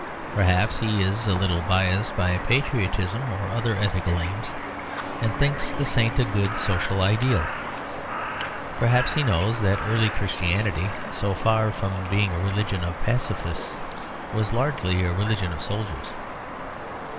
Perhaps he is a little biased by patriotism or other ethical aims; and thinks the saint a good social ideal. Perhaps he knows that early Christianity, so far from being a religion of pacifists, was largely a religion of soldiers.